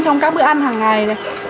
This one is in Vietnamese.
trong các bữa ăn hàng ngày